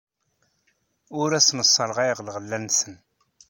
Ur asen-sserɣayeɣ lɣella-nsen.